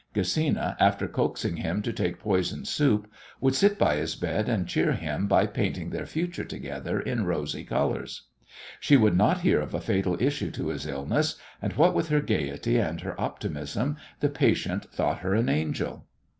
Gesina, after coaxing him to take poisoned soup, would sit by his bed and cheer him by painting their future together in rosy colours. She would not hear of a fatal issue to his illness, and what with her gaiety and her optimism the patient thought her an angel.